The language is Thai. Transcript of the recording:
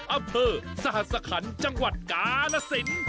อัพเพอร์สหรัฐสคัญจังหวัดกาณะศิลป์